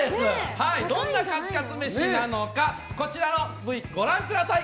どんなカツカツ飯なのかこちらのＶご覧ください。